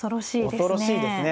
恐ろしいですね。